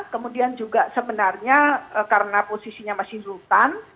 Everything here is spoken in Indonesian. kemudian juga sebenarnya karena posisinya masih rutan